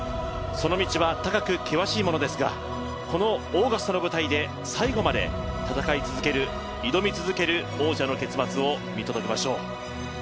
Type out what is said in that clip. その道は高く険しいものですが、このオーガスタの舞台で最後まで戦い続ける、挑み続ける王者の結末を見届けましょう。